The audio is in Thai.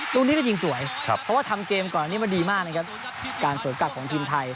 ตรงนี้ก็ยิงสวยเพราะว่าทำเกมก่อนอันนี้มาดีมากนะครับการสวนกลับของทีมไทย